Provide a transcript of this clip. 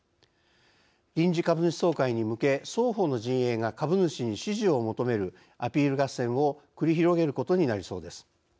臨時株主総会に向け双方の陣営が株主に支持を求めるアピール合戦を繰り広げることになりそうです。